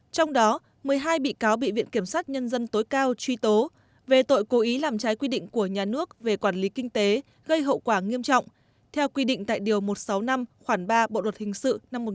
tổng số hai mươi hai bị cáo bị đưa ra xét xử